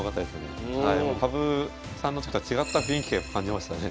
羽生さんの時とは違った雰囲気やっぱ感じましたね。